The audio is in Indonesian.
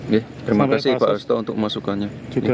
terima kasih pak asto untuk masukannya